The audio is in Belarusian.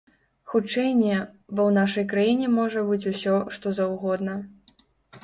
Хутчэй не, бо ў нашай краіне можа быць усё, што заўгодна.